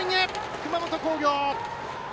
熊本工業。